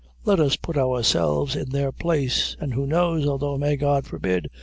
Let us put ourselves in their place an' who knows although may God forbid!